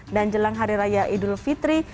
dan jelang hari raya idul fitri